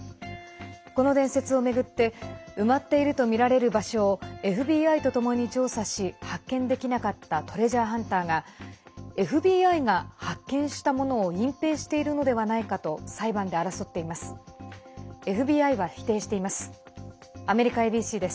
この伝説を巡って埋まっているとみられる場所をＦＢＩとともに調査し発見できなかったトレジャーハンターがＦＢＩが、発見したものを隠ぺいしているのではないかと裁判で争っています。